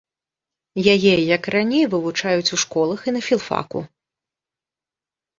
Яе, як і раней, вывучаюць у школах і на філфаку.